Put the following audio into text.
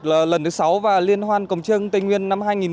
là lần thứ sáu và liên hoan cồng trương tây nguyên năm hai nghìn một mươi bảy